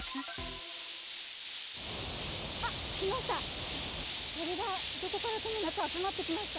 あっ、来ました。